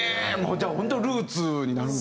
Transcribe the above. じゃあ本当にルーツになるんですね